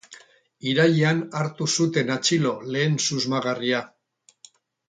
Irailean hartu zuten atxilo lehen susmagarria.